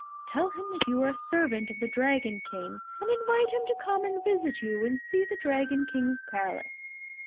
Tell him that you are a servant of the Dragon King, and invite him to come and visit you and see the Dragon King's palace.